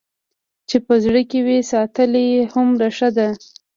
چې په زړه کې وي ساتلې هومره ښه ده.